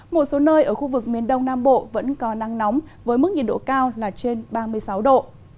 một số nơi ở khu vực miền đông nam bộ vẫn có nắng nóng với mức nhiệt độ cao là trên ba mươi sáu độ